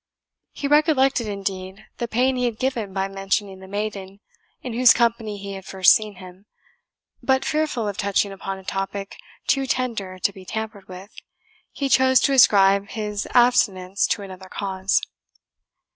He recollected, indeed, the pain he had given by mentioning the maiden in whose company he had first seen him; but, fearful of touching upon a topic too tender to be tampered with, he chose to ascribe his abstinence to another cause.